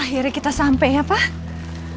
akhirnya kita sampai ya pak